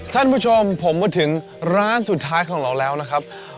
ท่านผู้ชมผมมาถึงร้านสุดท้ายของเราแล้วนะครับ